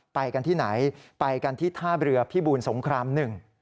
ไปกันที่ไหนไปกันที่ท่าเรือพิบูลสงครามหนึ่ง